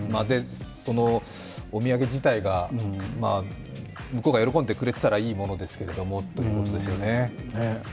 そのお土産自体が、向こうが喜んでくれていたらいいですけどというところですよね。